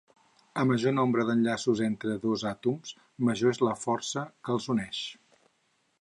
A major nombre d'enllaços entre dos àtoms, major és la força que els uneix.